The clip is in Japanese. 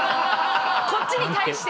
こっちに対して。